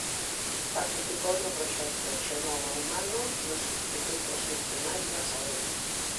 Participou no proxecto Xenoma Humano nos Institutos Nacionais da Saúde.